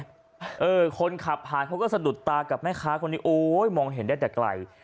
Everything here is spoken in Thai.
เออคนขับผ่านเขาก็สะดุดตากับแม่ค้าคนนี้โอ๊ยมองเห็นได้แต่ไกล